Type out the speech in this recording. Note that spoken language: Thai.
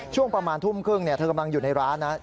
ช่วงประมาณทุ่มครึ่งเธอกำลังอยู่ในร้านนะครับ